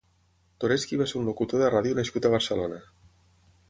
Toresky va ser un locutor de ràdio nascut a Barcelona.